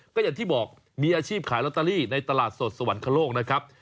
ก็อย่างที่บอกมีอาชีพขายลอตเตอรี่ในตลาดสดสวรรคโลกนะครับ